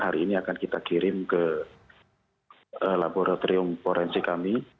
hari ini akan kita kirim ke laboratorium forensik kami